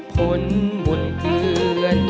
ผลหมุนเกือด